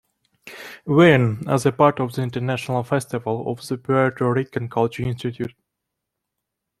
Warren, as part of the International Festival of the Puerto Rican Culture Institute.